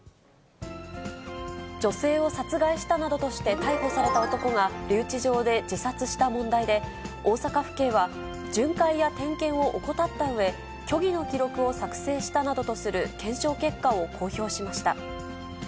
女性を殺害したなどとして逮捕された男が、留置場で自殺した問題で、大阪府警は、巡回や点検を怠ったうえ、虚偽の記録を作成したなどとする検証結果を公表しました。